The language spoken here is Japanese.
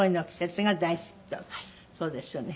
そうですよね。